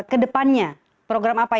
ke depannya program apa